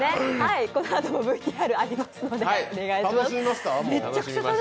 このあともＶＴＲありますので、お願いします。